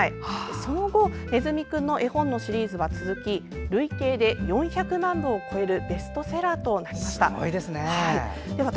その後、ねずみくんの絵本のシリーズは続き累計で４００万部を超えるベストセラーとなりました。